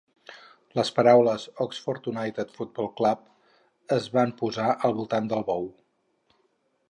Les paraules "Oxford United Football Club" es van posar al voltant del bou.